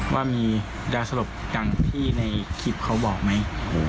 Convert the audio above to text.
ว่ามีดาสลบอย่างที่ในคลิปเขาบอกไหม